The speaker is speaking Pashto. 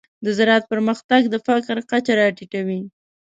د زراعت پرمختګ د فقر کچه راټیټوي.